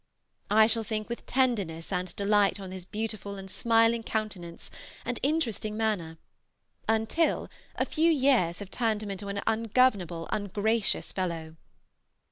I shall think with tenderness and delight on his beautiful and smiling countenance and interesting manner until a few years have turned him into an ungovernable, ungracious fellow.